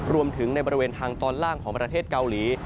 รวมถึงในบริเวณทางตอนล่างของประเทศเกาหลี